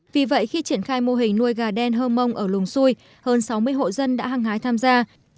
vì vậy khi triển khai mô hình nuôi gà đen hơm mông ở lùng xui hơn sáu mươi hộ dân đã hăng hái tham gia